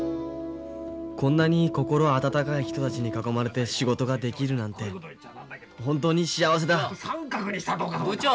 こんなに心温かい人たちに囲まれて仕事ができるなんて本当に幸せだ部長。